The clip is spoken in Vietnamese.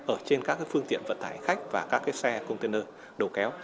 ở trên các phương tiện vận tải khách và các xe container đồ kéo